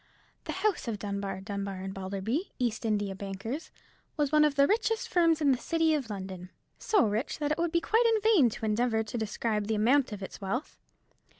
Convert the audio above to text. The house of Dunbar, Dunbar, and Balderby, East India bankers, was one of the richest firms in the city of London—so rich that it would be quite in vain to endeavour to describe the amount of its wealth.